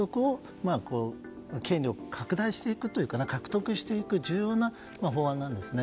そこを権力、拡大していくというか獲得していく重要な法案なんですね。